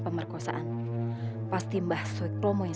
pemerkosaan pasti mbak suikromo yang